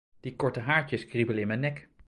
Die korte haartjes kriebelen in mijn nek.